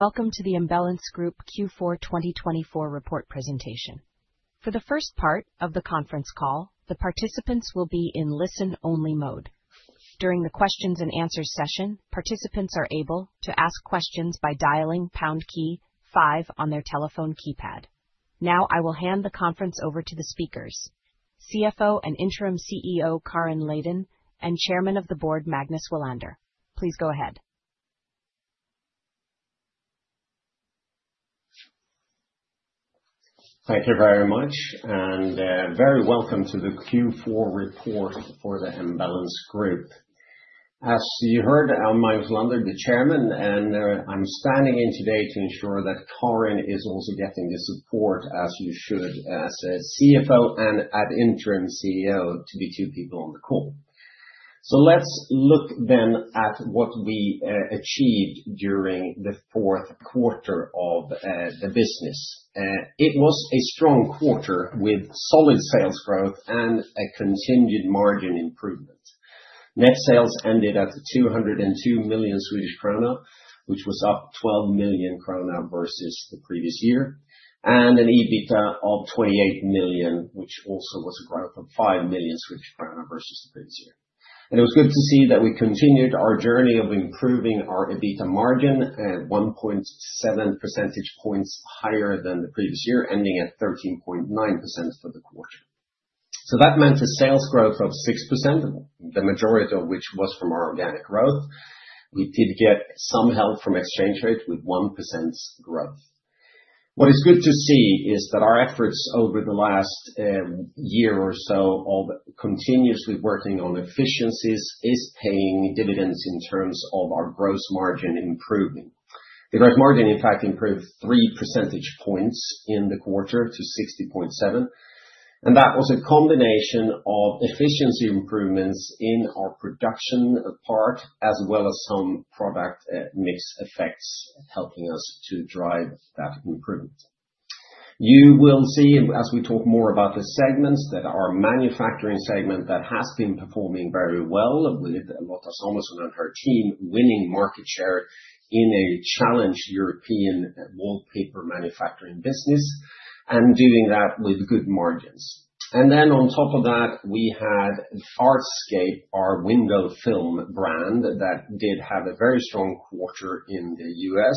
Welcome to the Embellence Group Q4 2024 report presentation. For the first part of the conference call, the participants will be in listen-only mode. During the Q&A session, participants are able to ask questions by dialing #5 on their telephone keypad. Now, I will hand the conference over to the speakers: CFO and interim CEO Karin Lidén, and Chairman of the Board Magnus Welander. Please go ahead. Thank you very much, and very welcome to the Q4 report for the Embellence Group. As you heard, I'm Magnus Welander, the Chairman, and I'm standing in today to ensure that Karin is also getting the support, as you should, as a CFO and an interim CEO, to the two people on the call. Let's look then at what we achieved during the fourth quarter of the business. It was a strong quarter with solid sales growth and a continued margin improvement. Net sales ended at 202 million Swedish krona, which was up 12 million krona versus the previous year, and an EBITDA of 28 million, which also was a growth of 5 million Swedish krona versus the previous year. It was good to see that we continued our journey of improving our EBITDA margin at 1.7 percentage points higher than the previous year, ending at 13.9% for the quarter. That meant a sales growth of 6%, the majority of which was from our organic growth. We did get some help from exchange rate with 1% growth. What is good to see is that our efforts over the last year or so, continuously working on efficiencies, are paying dividends in terms of our gross margin improvement. The gross margin, in fact, improved 3 percentage points in the quarter to 60.7%. That was a combination of efficiency improvements in our production part, as well as some product mix effects helping us to drive that improvement. You will see, as we talk more about the segments, that our Manufacturing segment has been performing very well, with Lotta Amundsen and her team winning market share in a challenged European wallpaper manufacturing business, and doing that with good margins. On top of that, we had Artscape, our window film brand that did have a very strong quarter in the U.S.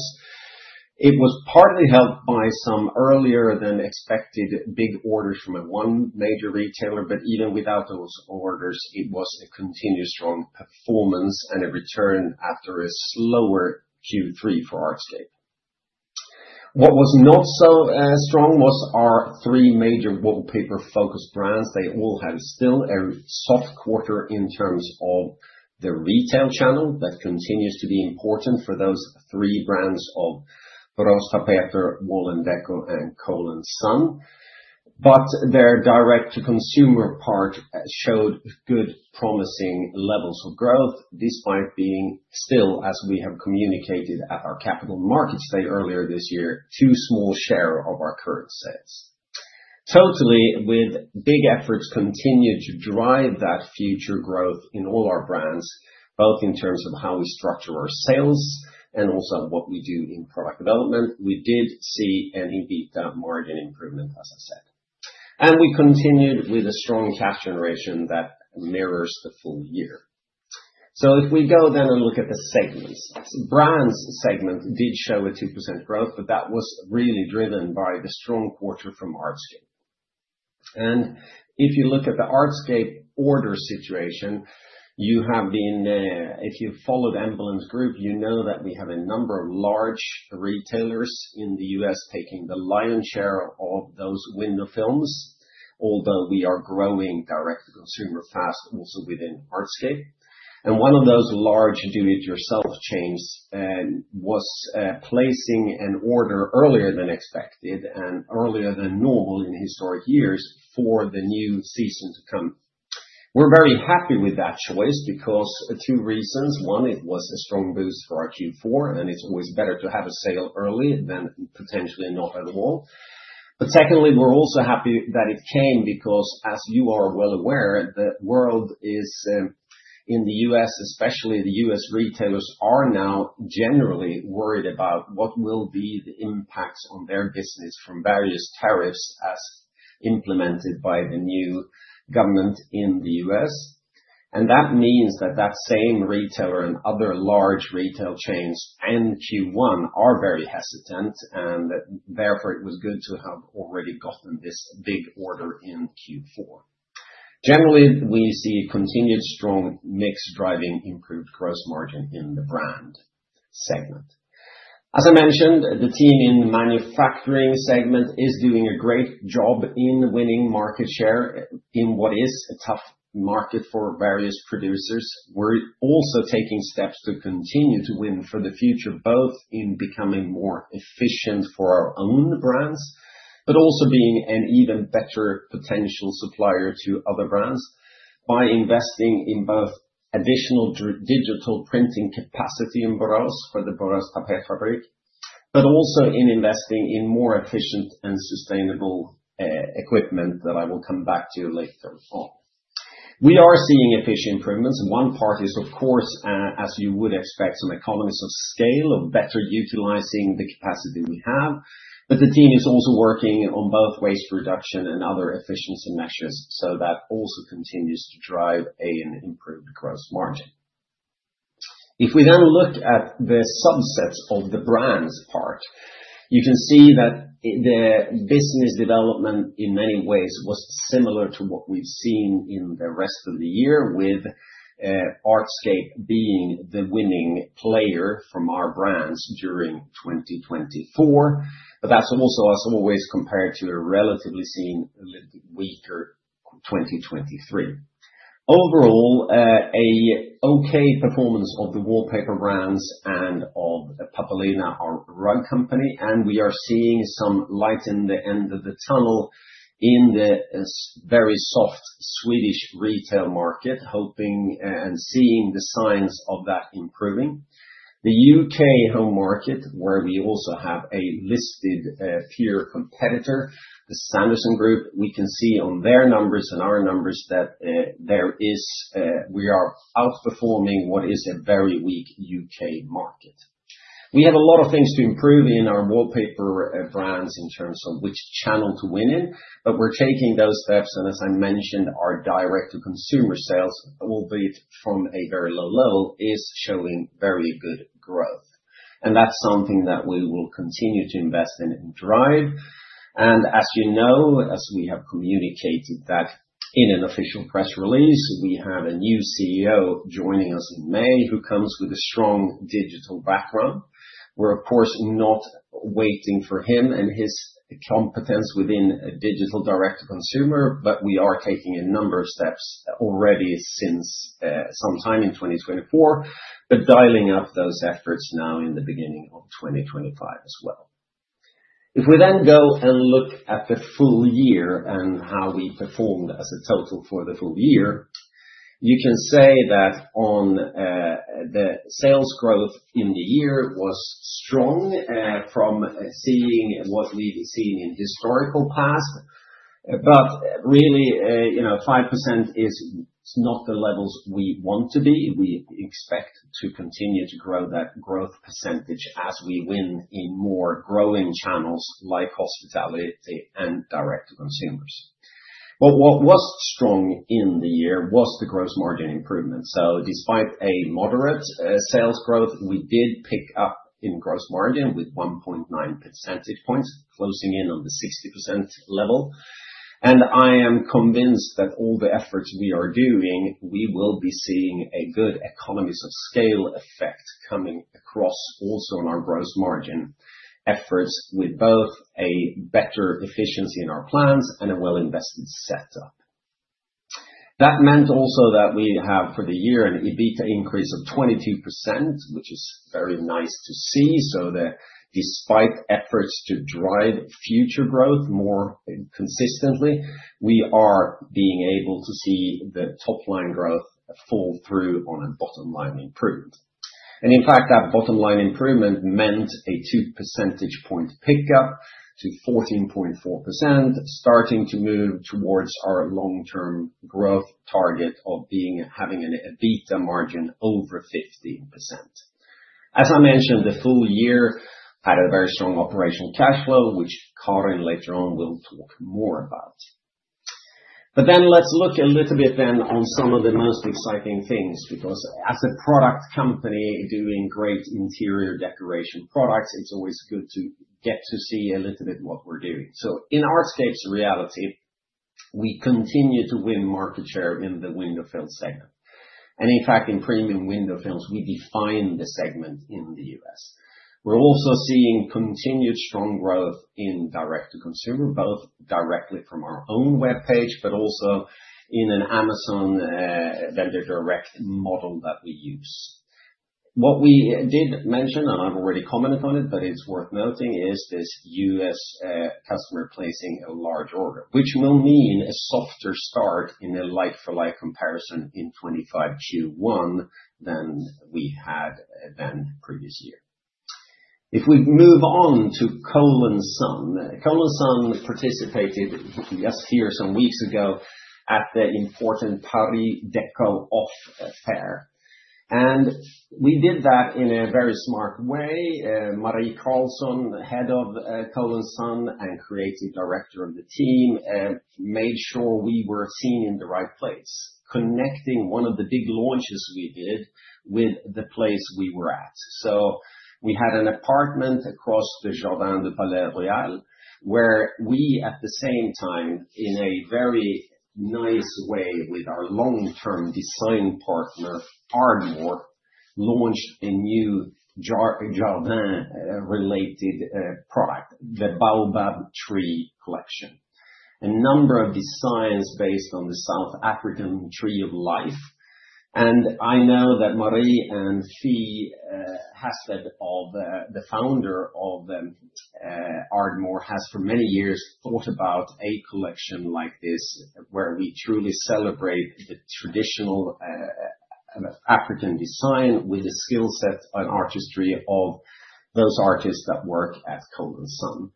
It was partly helped by some earlier-than-expected big orders from one major retailer, but even without those orders, it was a continued strong performance and a return after a slower Q3 for Artscape. What was not so strong was our three major wallpaper-focused brands. They all had still a soft quarter in terms of the retail channel that continues to be important for those three brands of Boråstapeter, Wall&decò, and Cole & Son. Their direct-to-consumer part showed good, promising levels of growth, despite being still, as we have communicated at our capital markets day earlier this year, too small a share of our current sales. Totally, with big efforts continued to drive that future growth in all our brands, both in terms of how we structure our sales and also what we do in product development, we did see an EBITDA margin improvement, as I said. We continued with a strong cash generation that mirrors the full year. If we go then and look at the segments, the Brands segment did show a 2% growth, but that was really driven by the strong quarter from Artscape. If you look at the Artscape order situation, you have been, if you've followed Embellence Group, you know that we have a number of large retailers in the U.S. taking the lion's share of those window films, although we are growing direct-to-consumer fast also within Artscape. One of those large do-it-yourself chains was placing an order earlier than expected and earlier than normal in historic years for the new season to come. We are very happy with that choice because of two reasons. One, it was a strong boost for our Q4, and it's always better to have a sale early than potentially not at all. Secondly, we're also happy that it came because, as you are well aware, the world is, in the U.S., especially the U.S. retailers, are now generally worried about what will be the impacts on their business from various tariffs as implemented by the new government in the U.S. That means that that same retailer and other large retail chains in Q1 are very hesitant, and therefore it was good to have already gotten this big order in Q4. Generally, we see continued strong mix driving improved gross margin in the Brands segment. As I mentioned, the team in the Manufacturing segment is doing a great job in winning market share in what is a tough market for various producers. We're also taking steps to continue to win for the future, both in becoming more efficient for our own brands, but also being an even better potential supplier to other brands by investing in both additional digital printing capacity in Borås for the Borås Tapetfabrik, but also in investing in more efficient and sustainable equipment that I will come back to later on. We are seeing efficient improvements. One part is, of course, as you would expect, some economies of scale of better utilizing the capacity we have, but the team is also working on both waste reduction and other efficiency measures so that also continues to drive an improved gross margin. If we then look at the subsets of the brands part, you can see that the business development in many ways was similar to what we've seen in the rest of the year, with Artscape being the winning player from our brands during 2024, but that's also, as always, compared to a relatively seen weaker 2023. Overall, an okay performance of the wallpaper brands and of Pappelina, our rug company, and we are seeing some light in the end of the tunnel in the very soft Swedish retail market, hoping and seeing the signs of that improving. The U.K. home market, where we also have a listed peer competitor, the Sanderson Group, we can see on their numbers and our numbers that we are outperforming what is a very weak U.K. market. We have a lot of things to improve in our wallpaper brands in terms of which channel to win in, but we're taking those steps, and as I mentioned, our direct-to-consumer sales, albeit from a very low level, is showing very good growth. That's something that we will continue to invest in and drive. As you know, as we have communicated that in an official press release, we have a new CEO joining us in May who comes with a strong digital background. We're, of course, not waiting for him and his competence within digital direct-to-consumer, but we are taking a number of steps already since sometime in 2024, but dialing up those efforts now in the beginning of 2025 as well. If we then go and look at the full year and how we performed as a total for the full year, you can say that the sales growth in the year was strong from seeing what we've seen in historical past, but really, 5% is not the levels we want to be. We expect to continue to grow that growth percentage as we win in more growing channels like hospitality and direct-to-consumers. What was strong in the year was the gross margin improvement. Despite a moderate sales growth, we did pick up in gross margin with 1.9 percentage points, closing in on the 60% level. I am convinced that all the efforts we are doing, we will be seeing a good economies of scale effect coming across also in our gross margin efforts with both a better efficiency in our plans and a well-invested setup. That meant also that we have for the year an EBITDA increase of 22%, which is very nice to see. Despite efforts to drive future growth more consistently, we are being able to see the top-line growth fall through on a bottom-line improvement. In fact, that bottom-line improvement meant a 2 percentage point pickup to 14.4%, starting to move towards our long-term growth target of having an EBITDA margin over 15%. As I mentioned, the full year had a very strong operational cash flow, which Karin later on will talk more about. Let's look a little bit then on some of the most exciting things, because as a product company doing great interior decoration products, it's always good to get to see a little bit what we're doing. In Artscape's reality, we continue to win market share in the window film segment. In fact, in premium window films, we define the segment in the U.S. We are also seeing continued strong growth in direct-to-consumer, both directly from our own web page, but also in an Amazon vendor direct model that we use. What we did mention, and I have already commented on it, but it is worth noting, is this U.S. customer placing a large order, which will mean a softer start in a like-for-like comparison in 2025 Q1 than we had the previous year. If we move on to Cole & Son, Cole & Son participated just here some weeks ago at the important Paris Déco Off fair. We did that in a very smart way. Marie Karlsson, Head of Cole & Son and Creative Director of the team, made sure we were seen in the right place, connecting one of the big launches we did with the place we were at. We had an apartment across the Jardin du Palais Royal, where we at the same time, in a very nice way with our long-term design partner Ardmore, launched a new jardin-related product, the Baobab Tree Collection, a number of designs based on the South African Tree of Life. I know that Marie and Fée Halsted, the founder of Ardmore, have for many years thought about a collection like this, where we truly celebrate the traditional African design with the skill set and artistry of those artists that work at Cole & Son.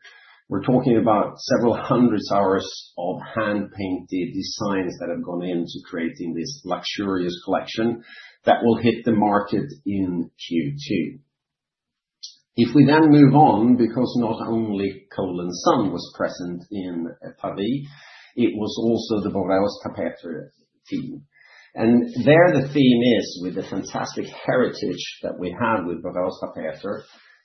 We're talking about several hundreds of hours of hand-painted designs that have gone into creating this luxurious collection that will hit the market in Q2. If we then move on, because not only Cole & Son was present in Paris, it was also the Boråstapeter team. The theme is, with the fantastic heritage that we have with Boråstapeter,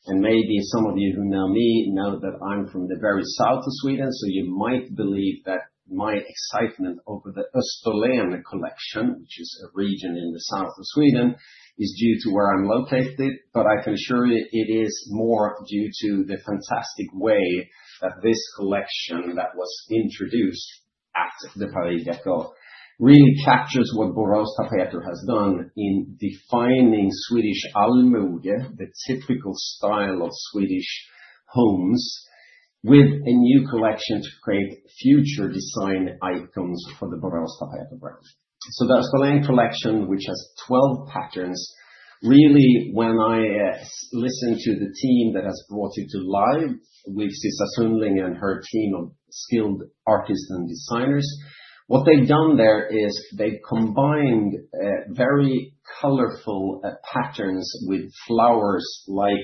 and maybe some of you who know me know that I'm from the very south of Sweden, so you might believe that my excitement over the Österlen collection, which is a region in the south of Sweden, is due to where I'm located, but I can assure you it is more due to the fantastic way that this collection that was introduced at the Paris Déco really captures what Boråstapeter has done in defining Swedish allmoge, the typical style of Swedish homes, with a new collection to create future design icons for the Boråstapeter brand. The Österlen collection, which has 12 patterns, really, when I listen to the team that has brought it to life with Sissa Sundling and her team of skilled artists and designers, what they've done there is they've combined very colorful patterns with flowers like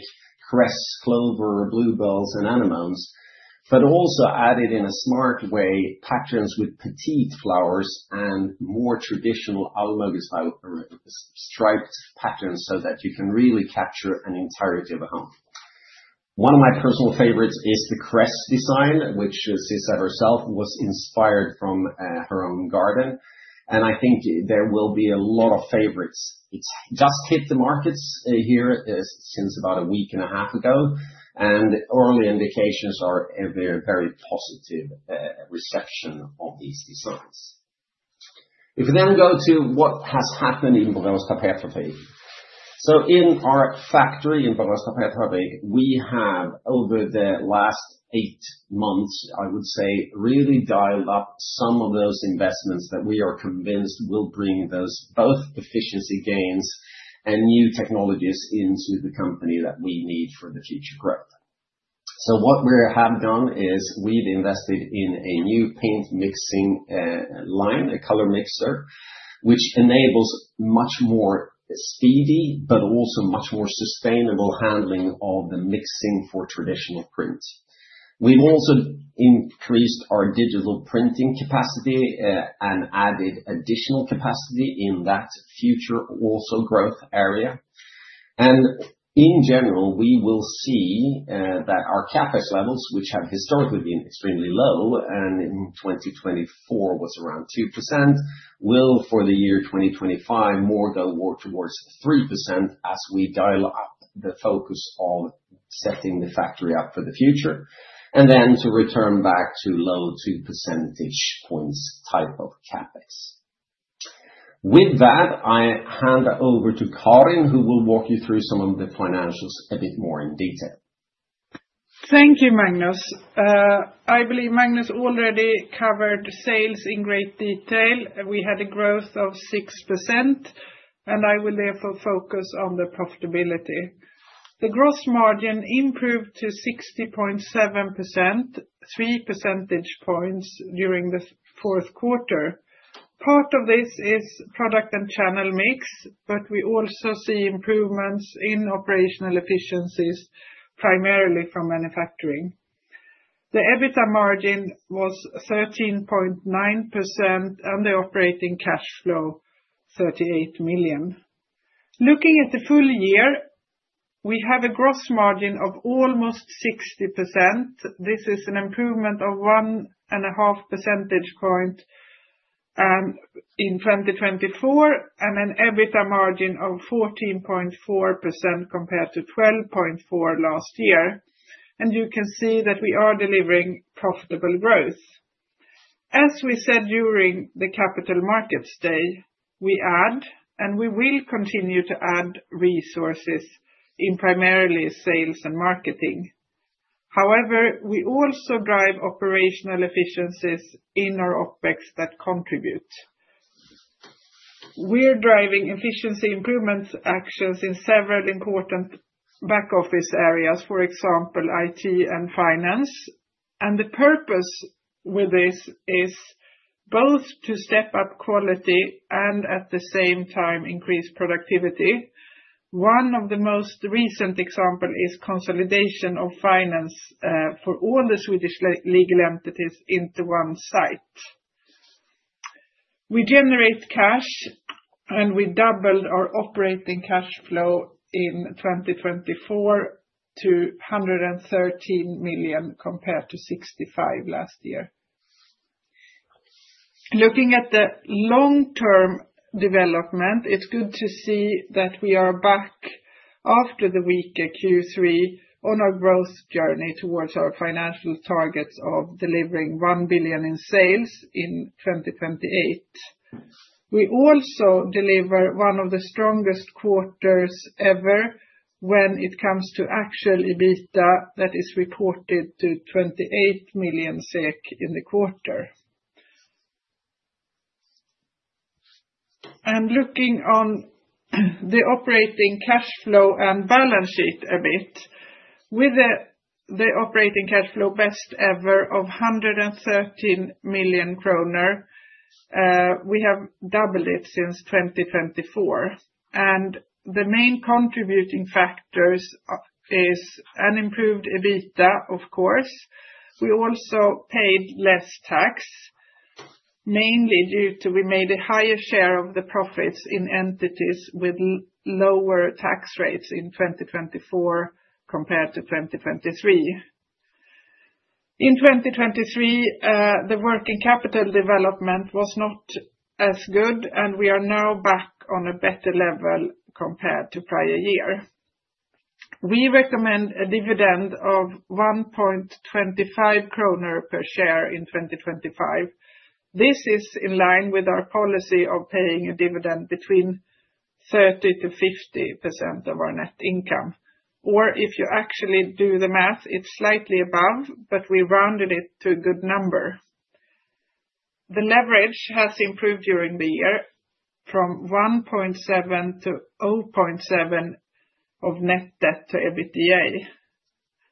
cress, clover, bluebells, and anemones, but also added in a smart way patterns with petite flowers and more traditional allmoge-style striped patterns so that you can really capture an entirety of a home. One of my personal favorites is the cress design, which Sissa herself was inspired from her own garden, and I think there will be a lot of favorites. It's just hit the markets here since about a week and a half ago, and early indications are a very positive reception of these designs. If we then go to what has happened in Borås Tapetfabrik, so in our factory in Borås Tapetfabrik, we have over the last eight months, I would say, really dialed up some of those investments that we are convinced will bring those both efficiency gains and new technologies into the company that we need for the future growth. What we have done is we've invested in a new paint mixing line, a color mixer, which enables much more speedy, but also much more sustainable handling of the mixing for traditional prints. We've also increased our digital printing capacity and added additional capacity in that future also growth area. In general, we will see that our CapEx levels, which have historically been extremely low and in 2024 was around 2%, will for the year 2025 go more towards 3% as we dial up the focus of setting the factory up for the future, and then to return back to low 2 percentage points type of CapEx. With that, I hand over to Karin, who will walk you through some of the financials a bit more in detail. Thank you, Magnus. I believe Magnus already covered sales in great detail. We had a growth of 6%, and I will therefore focus on the profitability. The gross margin improved to 60.7%, 3 percentage points during the fourth quarter. Part of this is product and channel mix, but we also see improvements in operational efficiencies, primarily from manufacturing. The EBITDA margin was 13.9% and the operating cash flow 38 million. Looking at the full year, we have a gross margin of almost 60%. This is an improvement of one and a half percentage points in 2024 and an EBITDA margin of 14.4% compared to 12.4% last year. You can see that we are delivering profitable growth. As we said during the capital markets day, we add and we will continue to add resources in primarily sales and marketing. However, we also drive operational efficiencies in our OpEx that contribute. We are driving efficiency improvement actions in several important back office areas, for example, IT and finance. The purpose with this is both to step up quality and at the same time increase productivity. One of the most recent examples is consolidation of finance for all the Swedish legal entities into one site. We generate cash, and we doubled our operating cash flow in 2024 to 113 million compared to 65 million last year. Looking at the long-term development, it's good to see that we are back after the weaker Q3 on our growth journey towards our financial targets of delivering 1 billion in sales in 2028. We also deliver one of the strongest quarters ever when it comes to actual EBITDA that is reported to 28 million SEK in the quarter. Looking on the operating cash flow and balance sheet a bit, with the operating cash flow best ever of 113 million kronor, we have doubled it since 2024. The main contributing factors are an improved EBITDA, of course. We also paid less tax, mainly due to we made a higher share of the profits in entities with lower tax rates in 2024 compared to 2023. In 2023, the working capital development was not as good, and we are now back on a better level compared to prior year. We recommend a dividend of 1.25 kronor per share in 2025. This is in line with our policy of paying a dividend between 30%-50% of our net income. Or if you actually do the math, it's slightly above, but we rounded it to a good number. The leverage has improved during the year from 1.7 to 0.7 of net debt to EBITDA.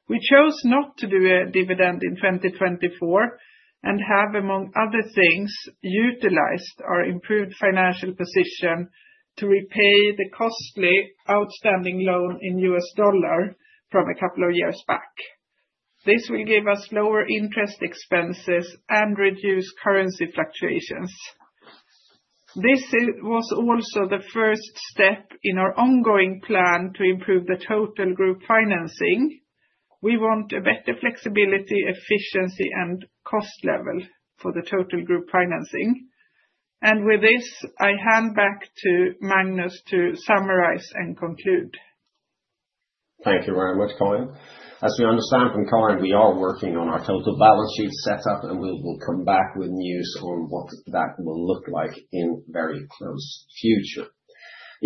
We chose not to do a dividend in 2024 and have, among other things, utilized our improved financial position to repay the costly outstanding loan in US dollars from a couple of years back. This will give us lower interest expenses and reduce currency fluctuations. This was also the first step in our ongoing plan to improve the total group financing. We want a better flexibility, efficiency, and cost level for the total group financing. With this, I hand back to Magnus to summarize and conclude. Thank you very much, Karin. As we understand from Karin, we are working on our total balance sheet setup, and we will come back with news on what that will look like in the very close future.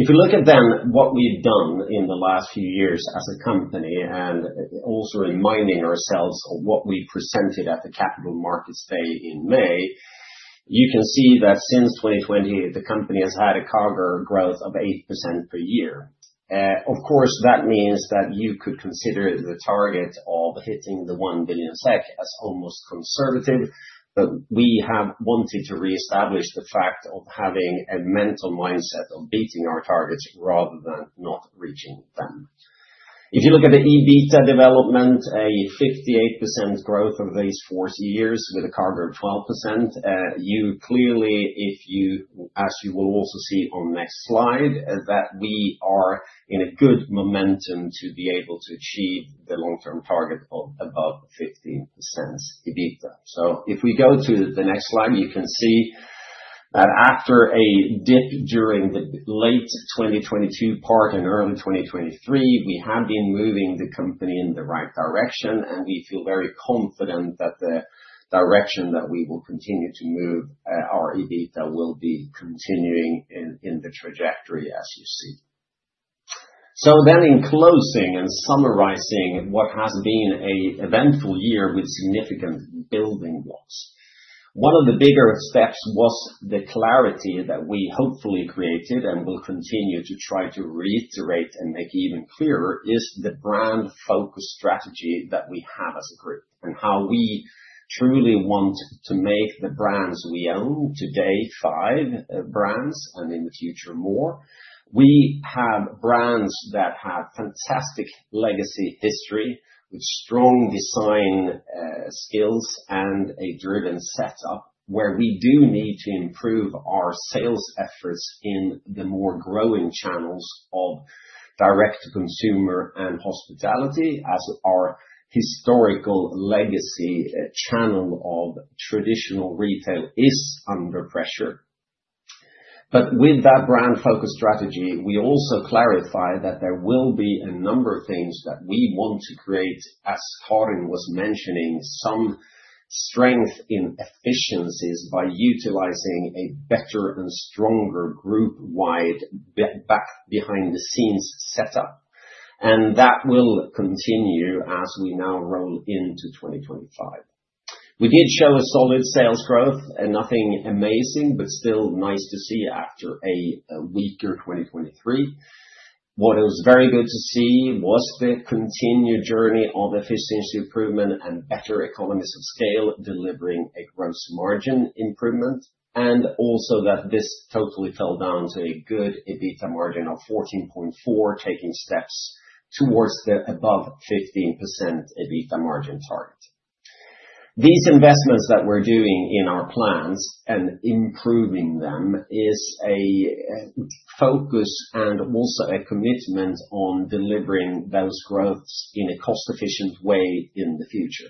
If you look at then what we've done in the last few years as a company and also reminding ourselves of what we presented at the capital markets day in May, you can see that since 2020, the company has had a CAGR growth of 8% per year. Of course, that means that you could consider the target of hitting the 1 billion SEK as almost conservative, but we have wanted to reestablish the fact of having a mental mindset of beating our targets rather than not reaching them. If you look at the EBITDA development, a 58% growth over these four years with a CAGR of 12%, you clearly, as you will also see on the next slide, that we are in a good momentum to be able to achieve the long-term target of above 15% EBITDA. If you go to the next slide, you can see that after a dip during the late 2022 part and early 2023, we have been moving the company in the right direction, and we feel very confident that the direction that we will continue to move our EBITDA will be continuing in the trajectory as you see. Then in closing and summarizing what has been an eventful year with significant building blocks, one of the bigger steps was the clarity that we hopefully created and will continue to try to reiterate and make even clearer is the brand focus strategy that we have as a group and how we truly want to make the brands we own today five brands and in the future more. We have brands that have fantastic legacy history with strong design skills and a driven setup where we do need to improve our sales efforts in the more growing channels of direct to consumer and hospitality as our historical legacy channel of traditional retail is under pressure. With that brand focus strategy, we also clarify that there will be a number of things that we want to create, as Karin was mentioning, some strength in efficiencies by utilizing a better and stronger group-wide back behind the scenes setup, and that will continue as we now roll into 2025. We did show a solid sales growth and nothing amazing, but still nice to see after a weaker 2023. What was very good to see was the continued journey of efficiency improvement and better economies of scale delivering a gross margin improvement, and also that this totally fell down to a good EBITDA margin of 14.4%, taking steps towards the above 15% EBITDA margin target. These investments that we're doing in our plans and improving them is a focus and also a commitment on delivering those growths in a cost-efficient way in the future.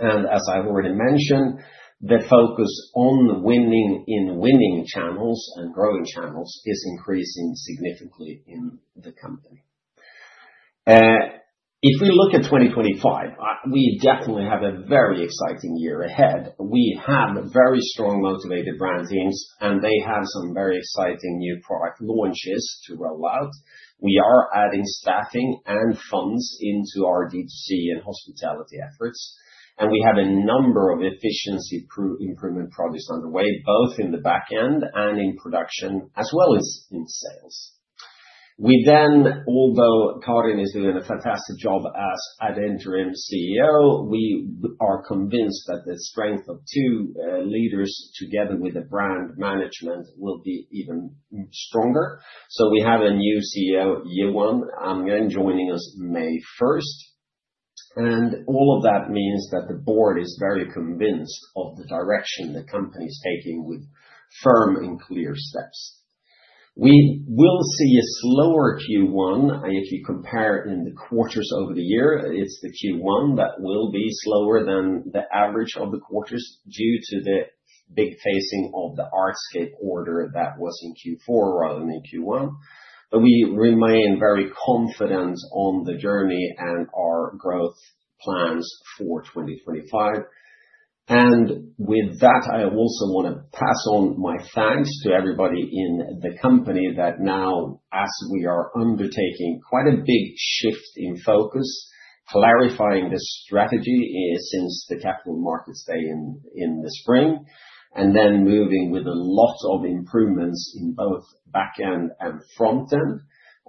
As I have already mentioned, the focus on winning in winning channels and growing channels is increasing significantly in the company. If we look at 2025, we definitely have a very exciting year ahead. We have very strong motivated brand teams, and they have some very exciting new product launches to roll out. We are adding staffing and funds into our DTC and hospitality efforts, and we have a number of efficiency improvement projects underway, both in the back end and in production, as well as in sales. Although Karin is doing a fantastic job as interim CEO, we are convinced that the strength of two leaders together with the brand management will be even stronger. We have a new CEO, Johan, joining us May 1. All of that means that the board is very convinced of the direction the company is taking with firm and clear steps. We will see a slower Q1. If you compare in the quarters over the year, it is the Q1 that will be slower than the average of the quarters due to the big phasing of the Artscape order that was in Q4 rather than in Q1. We remain very confident on the journey and our growth plans for 2025. With that, I also want to pass on my thanks to everybody in the company that now, as we are undertaking quite a big shift in focus, clarifying the strategy since the capital markets day in the spring, and then moving with a lot of improvements in both back end and front end.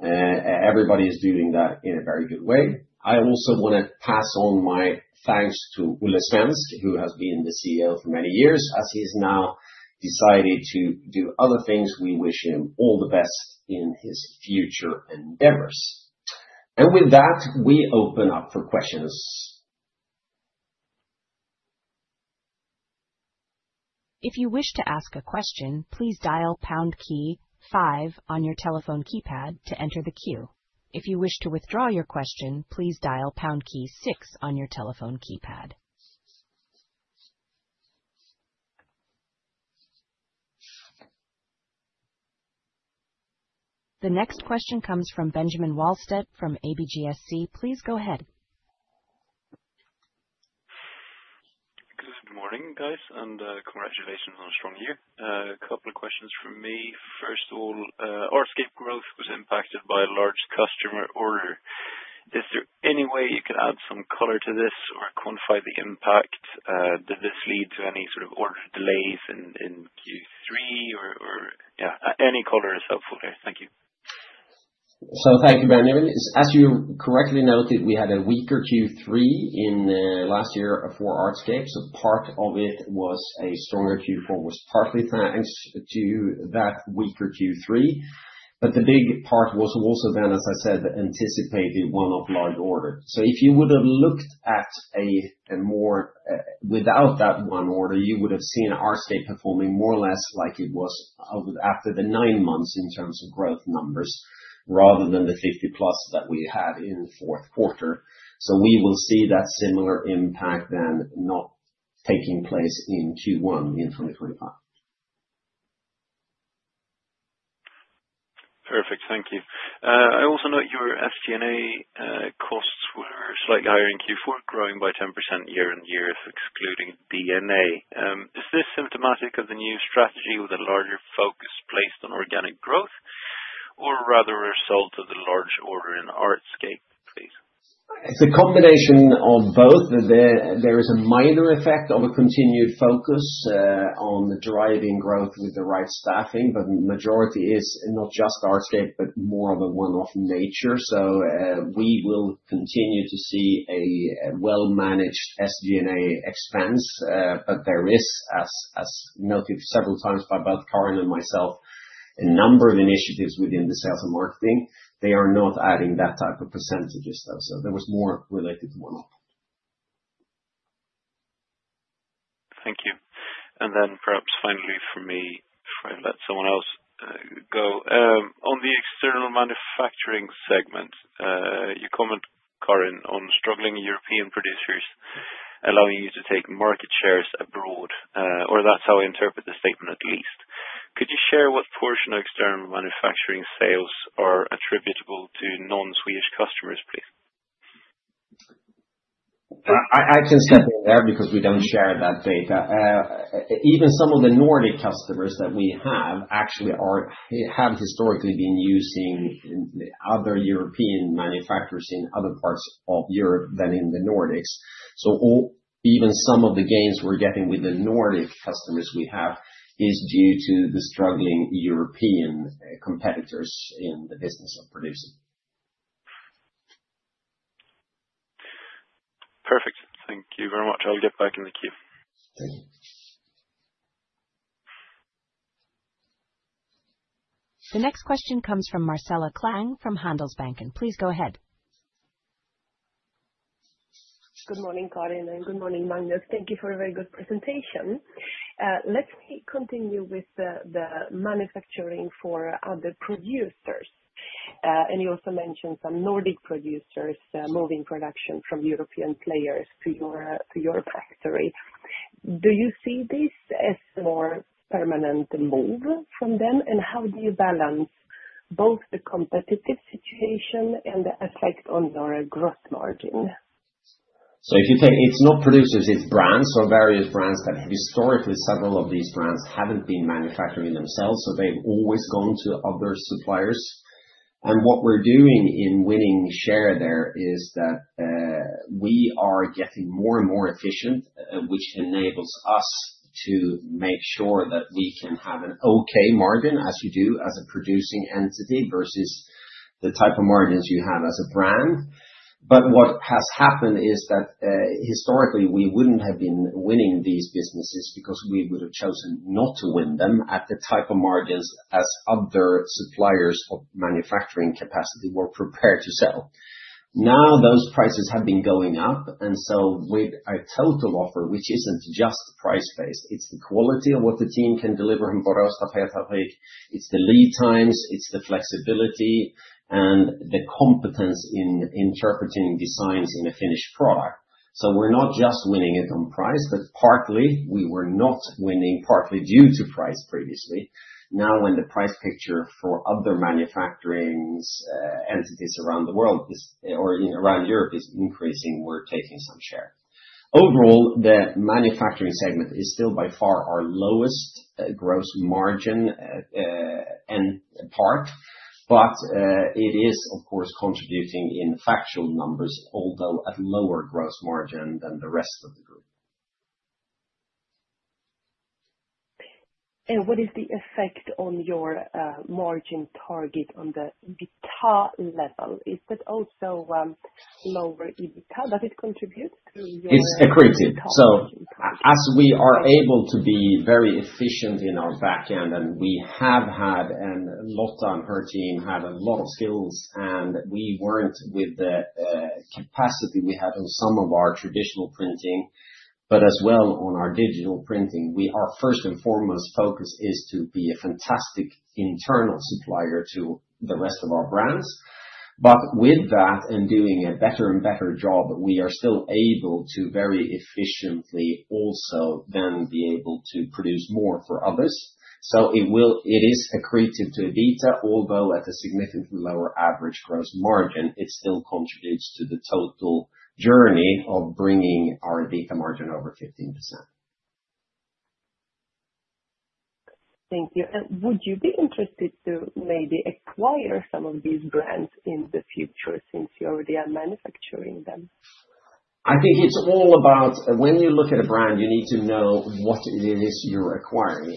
Everybody is doing that in a very good way. I also want to pass on my thanks to Olle Svensk, who has been the CEO for many years. As he has now decided to do other things, we wish him all the best in his future endeavors. With that, we open up for questions. If you wish to ask a question, please dial pound key five on your telephone keypad to enter the queue. If you wish to withdraw your question, please dial pound key six on your telephone keypad. The next question comes from Benjamin Wahlstedt from ABGSC. Please go ahead. Good morning, guys, and congratulations on a strong year. A couple of questions from me. First of all, Artscape growth was impacted by a large customer order. Is there any way you can add some color to this or quantify the impact? Did this lead to any sort of order delays in Q3? Yeah, any color is helpful here. Thank you. Thank you, Benjamin. As you correctly noted, we had a weaker Q3 in last year for Artscape. Part of it was a stronger Q4 was partly thanks to that weaker Q3. The big part was also then, as I said, the anticipated one-off large order. If you would have looked at it more without that one order, you would have seen Artscape performing more or less like it was after the nine months in terms of growth numbers rather than the 50% plus that we had in the fourth quarter. We will see that similar impact then not taking place in Q1 in 2025. Perfect. Thank you. I also note your SG&A costs were slightly higher in Q4, growing by 10% year on year, excluding D&A. Is this symptomatic of the new strategy with a larger focus placed on organic growth or rather a result of the large order in Artscape, please? It's a combination of both. There is a minor effect of a continued focus on driving growth with the right staffing, but the majority is not just Artscape, but more of a one-off nature. We will continue to see a well-managed SG&A expense, but there is, as noted several times by both Karin and myself, a number of initiatives within the sales and marketing. They are not adding that type of percentages, though. There was more related to one-off. Thank you. Perhaps finally for me, if I let someone else go, on the external Manufacturing segment, you comment, Karin, on struggling European producers allowing you to take market shares abroad, or that is how I interpret the statement at least. Could you share what portion of external manufacturing sales are attributable to non-Swedish customers, please? I can step in there because we do not share that data. Even some of the Nordic customers that we have actually have historically been using other European manufacturers in other parts of Europe than in the Nordics. So even some of the gains we are getting with the Nordic customers we have is due to the struggling European competitors in the business of producing. Perfect. Thank you very much. I will get back in the queue. Thank you. The next question comes from Marcela Klang from Handelsbanken. Please go ahead. Good morning, Karin, and good morning, Magnus. Thank you for a very good presentation. Let's continue with the manufacturing for other producers. You also mentioned some Nordic producers moving production from European players to your factory. Do you see this as a more permanent move from them? How do you balance both the competitive situation and the effect on your gross margin? If you take it's not producers, it's brands. Various brands that have historically several of these brands haven't been manufacturing themselves, so they've always gone to other suppliers. What we're doing in winning share there is that we are getting more and more efficient, which enables us to make sure that we can have an okay margin as you do as a producing entity versus the type of margins you have as a brand. What has happened is that historically we wouldn't have been winning these businesses because we would have chosen not to win them at the type of margins as other suppliers of manufacturing capacity were prepared to sell. Now those prices have been going up, and with our total offer, which isn't just price-based, it's the quality of what the team can deliver on Borås Tapetfabrik. It's the lead times, it's the flexibility, and the competence in interpreting designs in a finished product. We are not just winning it on price, but partly we were not winning partly due to price previously. Now when the price picture for other manufacturing entities around the world or around Europe is increasing, we are taking some share. Overall, the Manufacturing segment is still by far our lowest gross margin part, but it is, of course, contributing in factual numbers, although at lower gross margin than the rest of the group. What is the effect on your margin target on the EBITDA level? Is that also lower EBITDA? Does it contribute to your? It's accretive. As we are able to be very efficient in our back end, and we have had, and Lotta and her team had a lot of skills, and we were with the capacity we had on some of our traditional printing, but as well on our digital printing, our first and foremost focus is to be a fantastic internal supplier to the rest of our brands. With that and doing a better and better job, we are still able to very efficiently also then be able to produce more for others. It is accretive to EBITDA, although at a significantly lower average gross margin, it still contributes to the total journey of bringing our EBITDA margin over 15%. Thank you. Would you be interested to maybe acquire some of these brands in the future since you already are manufacturing them? I think it's all about when you look at a brand, you need to know what it is you're acquiring.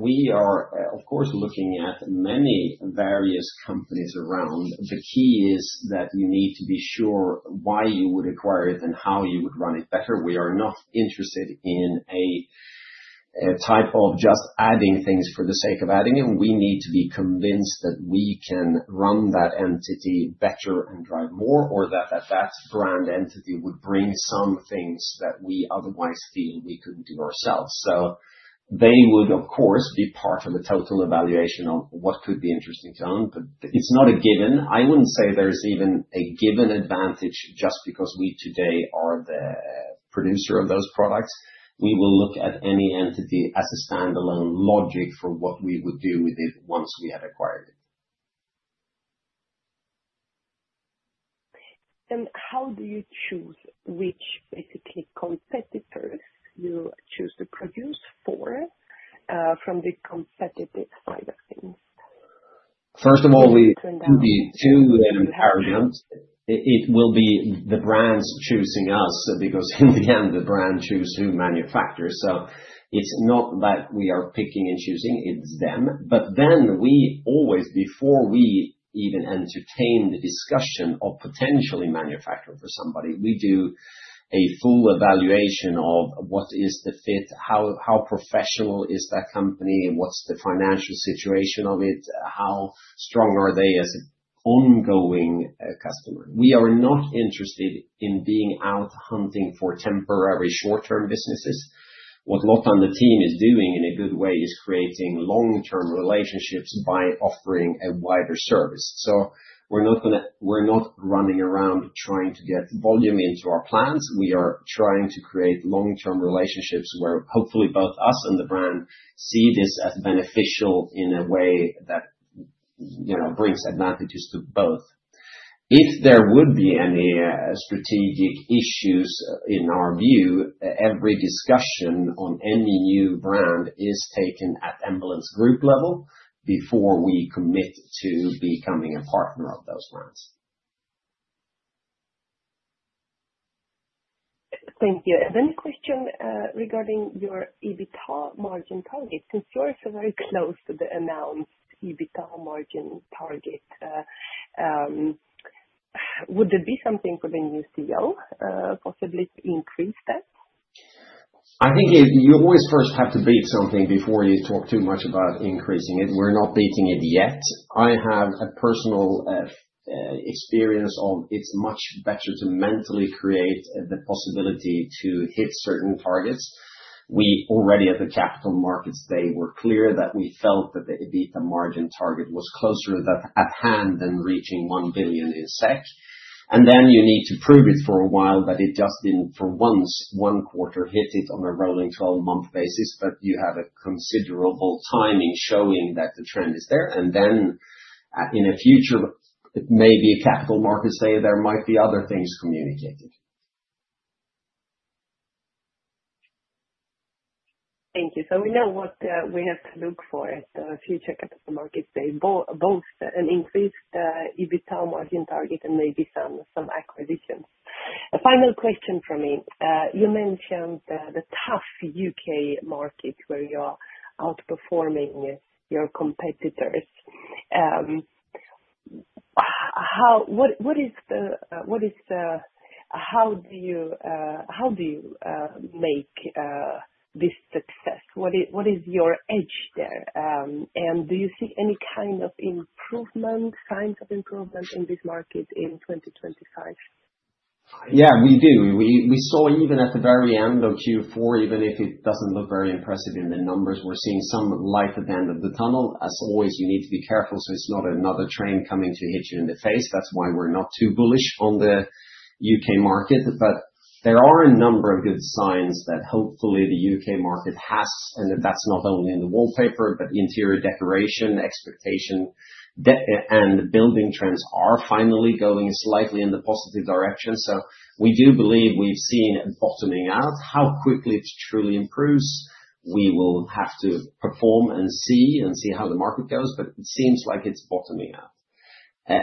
We are, of course, looking at many various companies around. The key is that you need to be sure why you would acquire it and how you would run it better. We are not interested in a type of just adding things for the sake of adding it. We need to be convinced that we can run that entity better and drive more, or that that brand entity would bring some things that we otherwise feel we could not do ourselves. They would, of course, be part of the total evaluation of what could be interesting to us, but it is not a given. I would not say there is even a given advantage just because we today are the producer of those products. We will look at any entity as a standalone logic for what we would do with it once we had acquired it. How do you choose which basically competitors you choose to produce for from the competitive side of things? First of all, it will be two paradigms. It will be the brands choosing us because in the end, the brand chooses who manufactures. It is not that we are picking and choosing, it is them. We always, before we even entertain the discussion of potentially manufacturing for somebody, do a full evaluation of what is the fit, how professional is that company, what is the financial situation of it, how strong are they as an ongoing customer. We are not interested in being out hunting for temporary short-term businesses. What Lotta and the team is doing in a good way is creating long-term relationships by offering a wider service. We are not running around trying to get volume into our plans. We are trying to create long-term relationships where hopefully both us and the brand see this as beneficial in a way that brings advantages to both. If there would be any strategic issues in our view, every discussion on any new brand is taken at Embellence Group level before we commit to becoming a partner of those brands. Thank you. A question regarding your EBITDA margin target. Since you're so very close to the announced EBITDA margin target, would there be something for the new CEO possibly to increase that? I think you always first have to beat something before you talk too much about increasing it. We're not beating it yet. I have a personal experience of it's much better to mentally create the possibility to hit certain targets. We already at the capital markets day were clear that we felt that the EBITDA margin target was closer at hand than reaching 1 billion. You need to prove it for a while that it just didn't for once one quarter hit it on a rolling 12-month basis, but you have a considerable timing showing that the trend is there. In the future, maybe at a capital markets day, there might be other things communicated. Thank you. We know what we have to look for at the future capital markets day, both an increased EBITDA margin target and maybe some acquisitions. A final question from me. You mentioned the tough U.K. market where you're outperforming your competitors. What is the, how do you make this success? What is your edge there? And do you see any kind of improvement, signs of improvement in this market in 2025? Yeah, we do. We saw even at the very end of Q4, even if it doesn't look very impressive in the numbers, we're seeing some light at the end of the tunnel. As always, you need to be careful so it's not another train coming to hit you in the face. That's why we're not too bullish on the U.K. market. There are a number of good signs that hopefully the U.K. market has, and that's not only in the wallpaper, but interior decoration, expectation, and building trends are finally going slightly in the positive direction. We do believe we've seen a bottoming out. How quickly it truly improves, we will have to perform and see and see how the market goes, but it seems like it's bottoming out.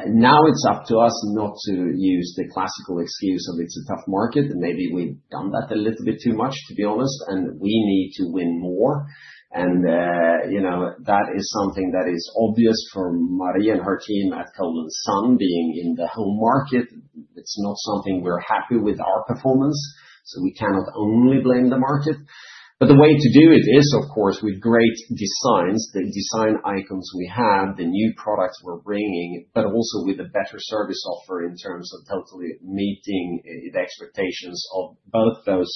Now it's up to us not to use the classical excuse of it's a tough market. Maybe we've done that a little bit too much, to be honest, and we need to win more. That is something that is obvious for Marie and her team at Cole & Son, being in the home market. It's not something we're happy with our performance, so we cannot only blame the market. The way to do it is, of course, with great designs, the design icons we have, the new products we're bringing, but also with a better service offer in terms of totally meeting the expectations of both those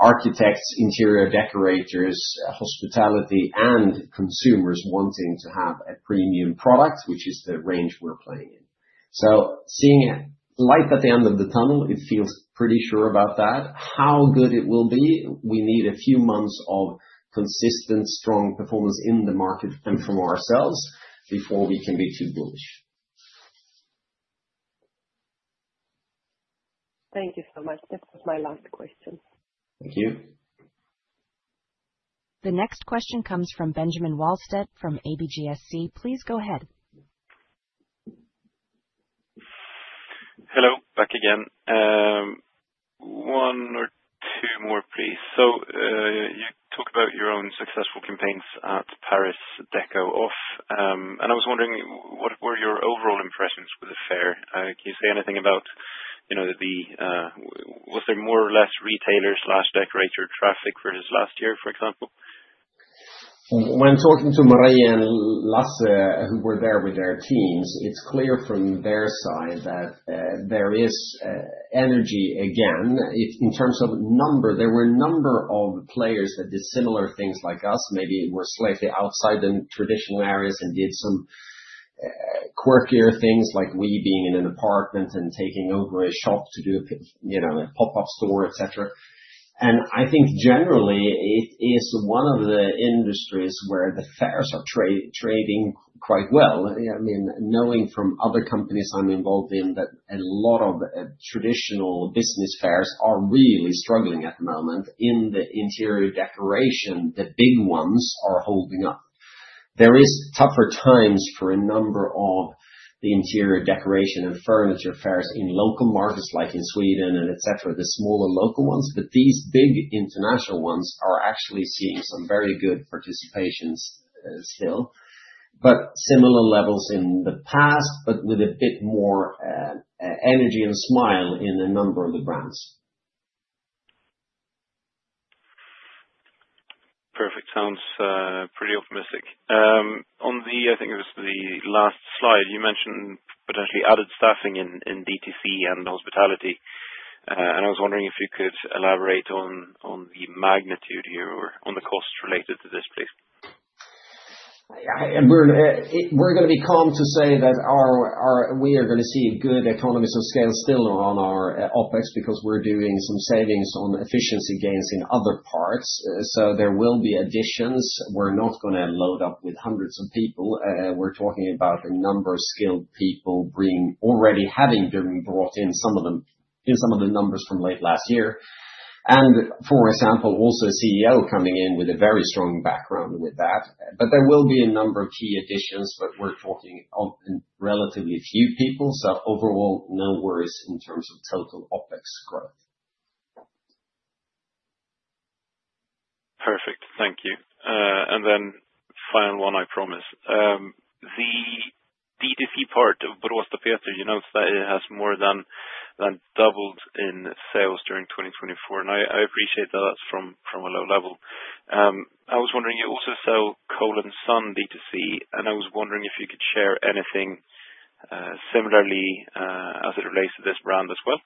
architects, interior decorators, hospitality, and consumers wanting to have a premium product, which is the range we're playing in. Seeing light at the end of the tunnel, it feels pretty sure about that. How good it will be, we need a few months of consistent, strong performance in the market and from ourselves before we can be too bullish. Thank you so much. This was my last question. Thank you. The next question comes from Benjamin Wahlstedt from ABGSC. Please go ahead. Hello. Back again. One or two more, please. You talked about your own successful campaigns at Paris Déco Off.I was wondering, what were your overall impressions with the fair? Can you say anything about the was there more or less retailer/decorator traffic versus last year, for example? When talking to Marie and Lotta who were there with their teams, it's clear from their side that there is energy again. In terms of number, there were a number of players that did similar things like us. Maybe we're slightly outside the traditional areas and did some quirkier things, like we being in an apartment and taking over a shop to do a pop-up store, etc. I think generally it is one of the industries where the fairs are trading quite well. I mean, knowing from other companies I'm involved in that a lot of traditional business fairs are really struggling at the moment in the interior decoration, the big ones are holding up. There are tougher times for a number of the interior decoration and furniture fairs in local markets like in Sweden and etc., the smaller local ones, but these big international ones are actually seeing some very good participations still, at similar levels in the past, but with a bit more energy and smile in a number of the brands. Perfect. Sounds pretty optimistic. On the, I think it was the last slide, you mentioned potentially added staffing in DTC and hospitality. I was wondering if you could elaborate on the magnitude here or on the costs related to this place. We are going to be calm to say that we are going to see good economies of scale still on our OpEx because we are doing some savings on efficiency gains in other parts. There will be additions. We are not going to load up with hundreds of people. We're talking about a number of skilled people already having been brought in, some of them in some of the numbers from late last year. For example, also a CEO coming in with a very strong background with that. There will be a number of key additions, but we're talking of relatively few people. Overall, no worries in terms of total OpEx growth. Perfect. Thank you. Final one, I promise. The DTC part of Borås Tapetfabrik, you noticed that it has more than doubled in sales during 2024. I appreciate that that's from a low level. I was wondering, you also sell Cole & Son DTC, and I was wondering if you could share anything similarly as it relates to this brand as well.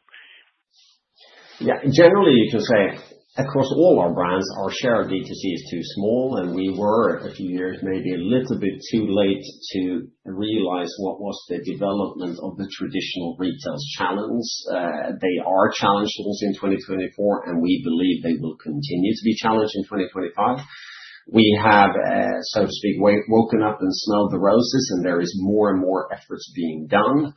Yeah. Generally, you can say across all our brands, our share of DTC is too small, and we were a few years maybe a little bit too late to realize what was the development of the traditional retail challenge. They are challenged in 2024, and we believe they will continue to be challenged in 2025. We have, so to speak, woken up and smelled the roses, and there are more and more efforts being done.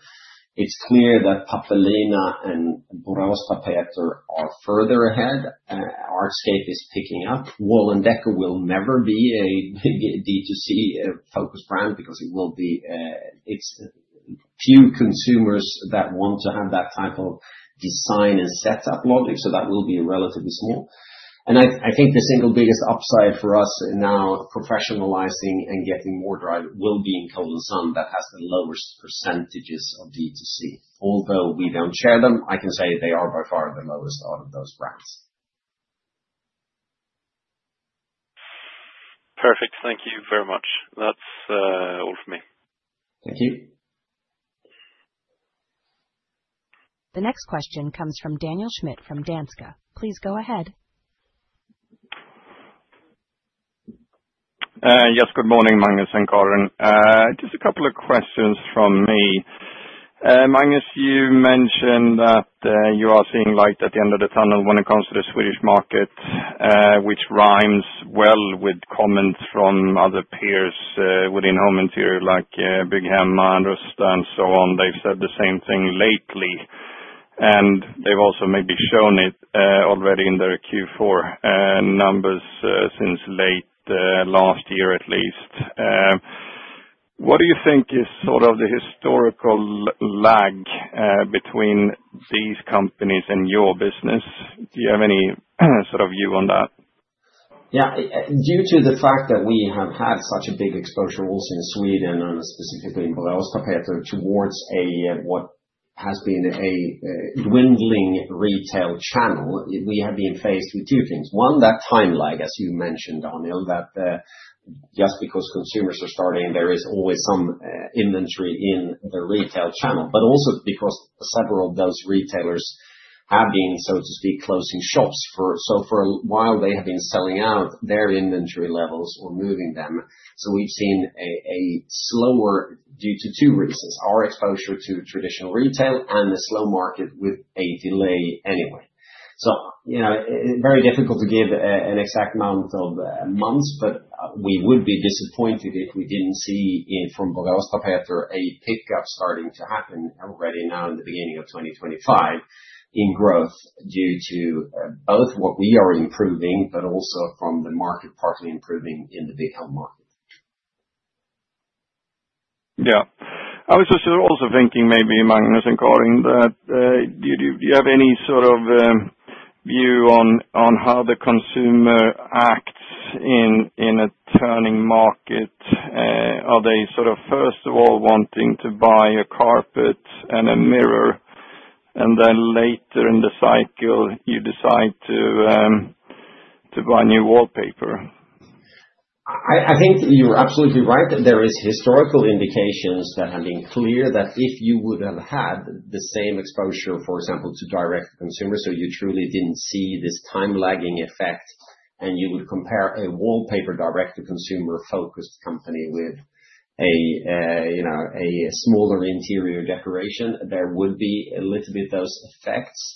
It's clear that Pappelina and Borås Tapetfabrik are further ahead. Artscape is picking up. Wall&decò will never be a DTC-focused brand because it will be few consumers that want to have that type of design and setup logic, so that will be relatively small. I think the single biggest upside for us now, professionalizing and getting more drive, will be in Cole & Son that has the lowest percentages of DTC. Although we don't share them, I can say they are by far the lowest out of those brands. Perfect. Thank you very much. That's all for me. Thank you. The next question comes from Daniel Schmidt from Danske. Please go ahead. Yes. Good morning, Magnus and Karin. Just a couple of questions from me. Magnus, you mentioned that you are seeing light at the end of the tunnel when it comes to the Swedish market, which rhymes well with comments from other peers within home interior like Bygghemma and Rusta and so on. They've said the same thing lately, and they've also maybe shown it already in their Q4 numbers since late last year at least. What do you think is sort of the historical lag between these companies and your business? Do you have any sort of view on that? Yeah. Due to the fact that we have had such a big exposure also in Sweden and specifically in Borås Tapetfabrik towards what has been a dwindling retail channel, we have been faced with two things. One, that time lag, as you mentioned, Daniel, that just because consumers are starting, there is always some inventory in the retail channel, but also because several of those retailers have been, so to speak, closing shops. For a while, they have been selling out their inventory levels or moving them. We have seen a slower due to two reasons: our exposure to traditional retail and the slow market with a delay anyway. It is very difficult to give an exact amount of months, but we would be disappointed if we did not see from Borås Tapetfabrik a pickup starting to happen already now in the beginning of 2025 in growth due to both what we are improving, but also from the market partly improving in the big home market. Yeah. I was also thinking maybe, Magnus and Karin, that do you have any sort of view on how the consumer acts in a turning market? Are they sort of, first of all, wanting to buy a carpet and a mirror, and then later in the cycle, you decide to buy new wallpaper? I think you're absolutely right that there are historical indications that have been clear that if you would have had the same exposure, for example, to direct to consumers, so you truly didn't see this time-lagging effect, and you would compare a wallpaper direct-to-consumer focused company with a smaller interior decoration, there would be a little bit of those effects.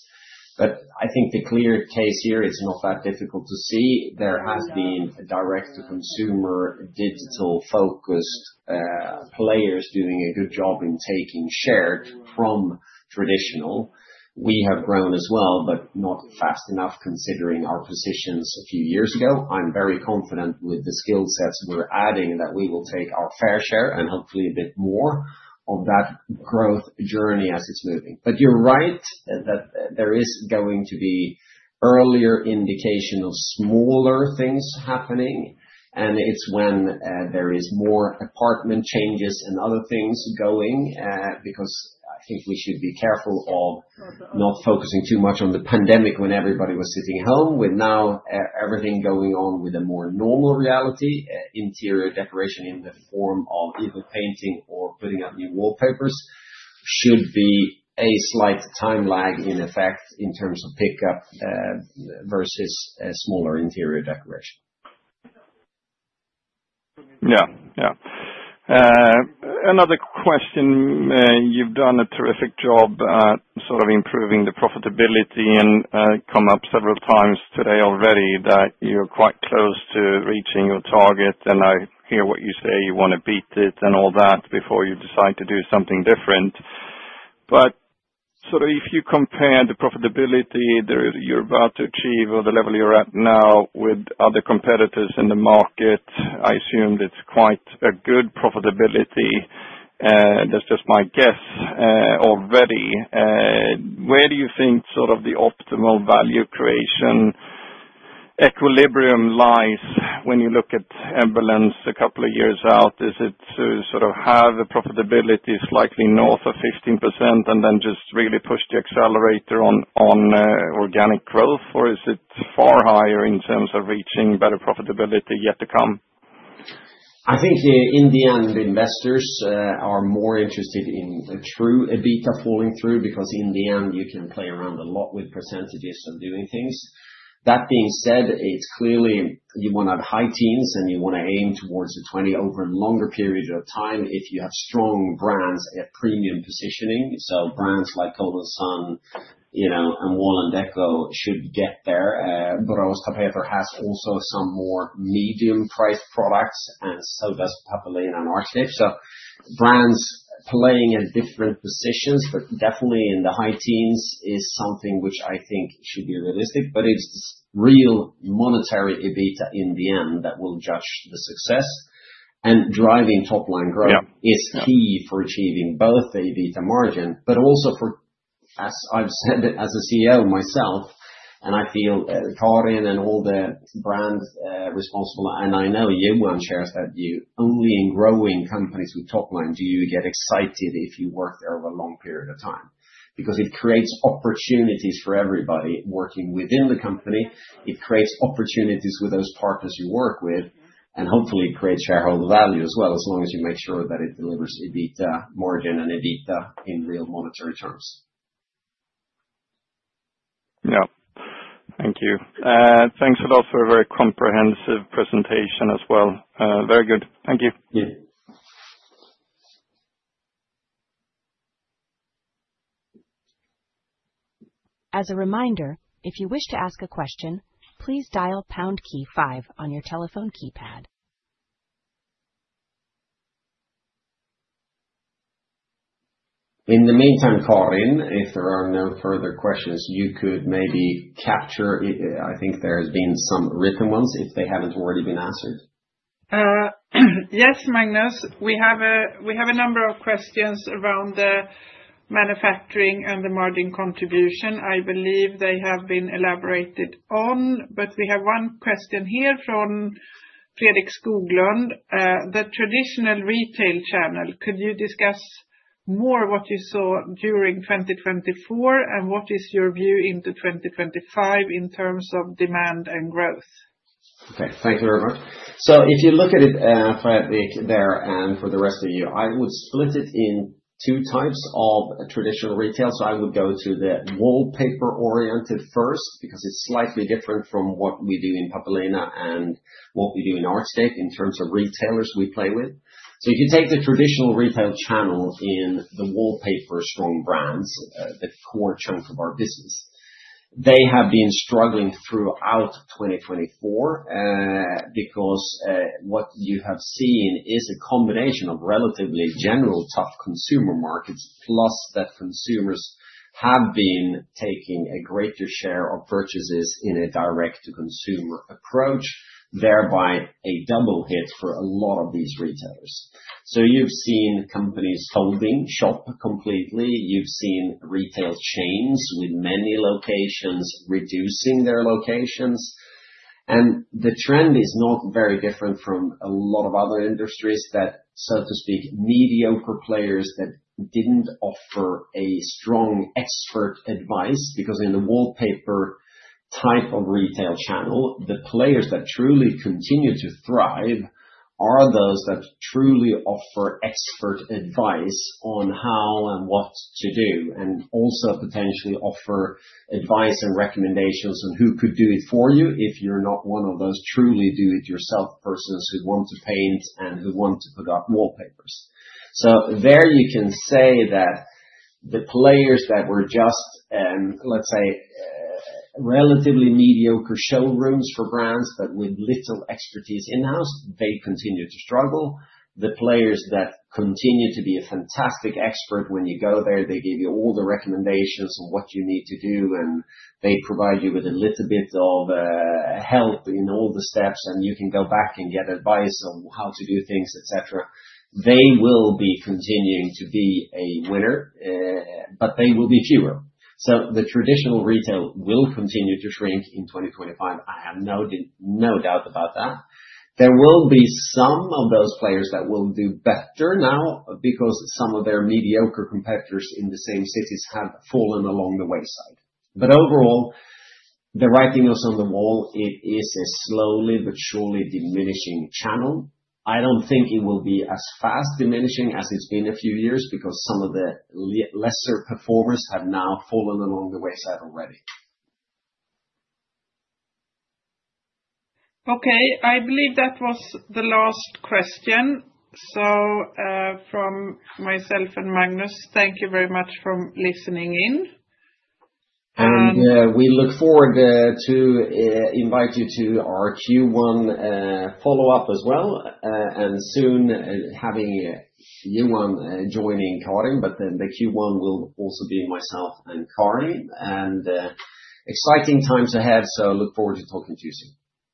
I think the clear case here, it's not that difficult to see. There has been direct-to-consumer digital-focused players doing a good job in taking share from traditional. We have grown as well, but not fast enough considering our positions a few years ago. I'm very confident with the skill sets we're adding that we will take our fair share and hopefully a bit more of that growth journey as it's moving. You're right that there is going to be earlier indication of smaller things happening, and it's when there are more apartment changes and other things going because I think we should be careful of not focusing too much on the pandemic when everybody was sitting home. With now everything going on with a more normal reality, interior decoration in the form of either painting or putting up new wallpapers should be a slight time lag in effect in terms of pickup versus smaller interior decoration. Yeah. Yeah. Another question. You've done a terrific job at sort of improving the profitability and come up several times today already that you're quite close to reaching your target, and I hear what you say, you want to beat it and all that before you decide to do something different. If you compare the profitability you're about to achieve or the level you're at now with other competitors in the market, I assume it's quite a good profitability. That's just my guess already. Where do you think the optimal value creation equilibrium lies when you look at Embellence a couple of years out? Is it to have a profitability slightly north of 15% and then just really push the accelerator on organic growth, or is it far higher in terms of reaching better profitability yet to come? I think in the end, investors are more interested in a true EBITDA falling through because in the end, you can play around a lot with percentages and doing things. That being said, it's clearly you want to have high teens, and you want to aim towards the 20 over a longer period of time if you have strong brands at premium positioning. So brands like Cole & Son and Wall&decò should get there. Borås Tapetfabrik has also some more medium-priced products, and so does Pappelina and Artscape. So brands playing at different positions, but definitely in the high teens is something which I think should be realistic, but it's this real monetary EBITDA in the end that will judge the success. Driving top-line growth is key for achieving both the EBITDA margin, but also for, as I've said as a CEO myself, and I feel Karin and all the brand responsible, and I know you on shares that you only in growing companies with top line, do you get excited if you work there over a long period of time because it creates opportunities for everybody working within the company. It creates opportunities with those partners you work with, and hopefully it creates shareholder value as well as long as you make sure that it delivers EBITDA margin and EBITDA in real monetary terms. Thank you. Thanks a lot for a very comprehensive presentation as well. Very good. Thank you. As a reminder, if you wish to ask a question, please dial pound key five on your telephone keypad. In the meantime, Karin, if there are no further questions, you could maybe capture. I think there have been some written ones if they haven't already been answered. Yes, Magnus. We have a number of questions around the manufacturing and the margin contribution. I believe they have been elaborated on, but we have one question here from Fredrik Skoglund. The traditional retail channel, could you discuss more what you saw during 2024, and what is your view into 2025 in terms of demand and growth? Okay. Thank you very much. If you look at it, Fredrik, there and for the rest of you, I would split it in two types of traditional retail. I would go to the wallpaper-oriented first because it's slightly different from what we do in Pappelina and what we do in Artscape in terms of retailers we play with. If you take the traditional retail channel in the wallpaper-strong brands, the core chunk of our business, they have been struggling throughout 2024 because what you have seen is a combination of relatively general tough consumer markets, plus that consumers have been taking a greater share of purchases in a direct-to-consumer approach, thereby a double hit for a lot of these retailers. You have seen companies folding, shop completely. You have seen retail chains with many locations reducing their locations. The trend is not very different from a lot of other industries that, so to speak, mediocre players that did not offer a strong expert advice because in the wallpaper type of retail channel, the players that truly continue to thrive are those that truly offer expert advice on how and what to do, and also potentially offer advice and recommendations on who could do it for you if you are not one of those truly do-it-yourself persons who want to paint and who want to put up wallpapers. There you can say that the players that were just, let's say, relatively mediocre showrooms for brands but with little expertise in-house, they continue to struggle. The players that continue to be a fantastic expert, when you go there, they give you all the recommendations on what you need to do, and they provide you with a little bit of help in all the steps, and you can go back and get advice on how to do things, etc., they will be continuing to be a winner, but they will be fewer. The traditional retail will continue to shrink in 2025. I have no doubt about that. There will be some of those players that will do better now because some of their mediocre competitors in the same cities have fallen along the wayside. Overall, the writing is on the wall. It is a slowly but surely diminishing channel. I do not think it will be as fast diminishing as it has been a few years because some of the lesser performers have now fallen along the wayside already. Okay. I believe that was the last question. From myself and Magnus, thank you very much for listening in. We look forward to invite you to our Q1 follow-up as well. Soon having you joining Karin, but then the Q1 will also be myself and Karin. Exciting time to have, so I look forward to talking to you soon.